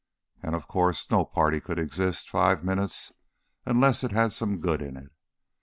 And of course no party could exist five minutes unless it had some good in it.